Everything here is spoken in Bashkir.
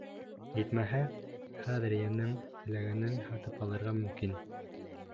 Етмәһә, хәҙер йәнең теләгәнен һатып алырға мөмкин.